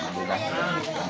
yang kedua udah di pulang